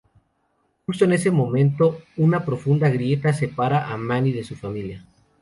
Justo en ese momento, una profunda grieta separa a Manny de su familia.